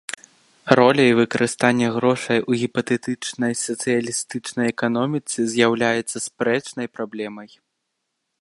Роля і выкарыстанне грошай у гіпатэтычнай сацыялістычнай эканоміцы з'яўляецца спрэчнай праблемай.